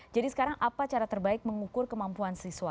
jadi sekarang apa cara terbaik mengukur kemampuan siswa